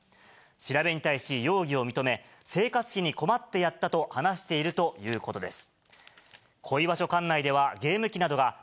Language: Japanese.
調べに対し容疑を認め、生活費に困ってやったと話しているということです。